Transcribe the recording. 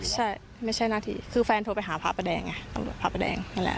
ใช่ไม่ใช่หน้าที่คือแฟนโทรไปหาพระประแดงไงตำรวจพระประแดงนั่นแหละ